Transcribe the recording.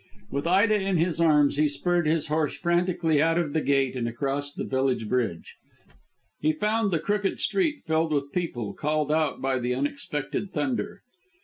With Ida in his arms he spurred his horse frantically out of the gate and across the village bridge. He found the crooked street filled with people, called out by the unexpected thunder.